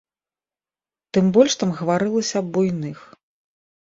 Тым больш там гаварылася аб буйных.